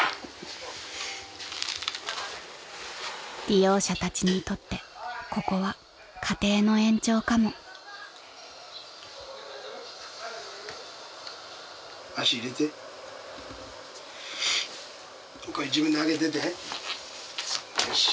［利用者たちにとってここは家庭の延長かも］よし。